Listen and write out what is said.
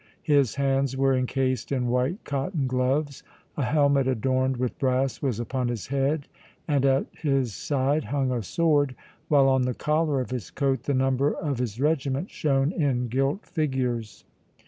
His hands were encased in white cotton gloves, a helmet adorned with brass was upon his head and at his side hung a sword, while on the collar of his coat the number of his regiment shone in gilt figures.